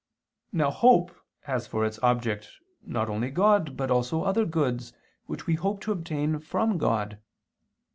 Now hope has for its object not only God but also other goods which we hope to obtain from God.